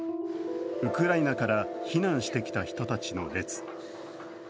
ウクライナから避難してきた人たちの列。